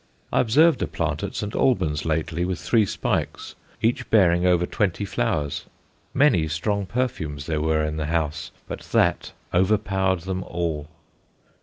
I observed a plant at St. Albans lately with three spikes, each bearing over twenty flowers; many strong perfumes there were in the house, but that overpowered them all.